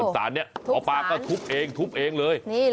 สารนี้หมอปลาก็ทุบเองทุบเองเลย